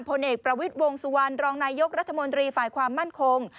ผลเอกประวิทย์วงสุวรรณรองนายกรัฐมนตรีฝ่ายความมั่นคง